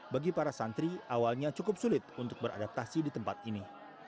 bagi para santri awalnya cukup sulit untuk beradaptasi di tempat ini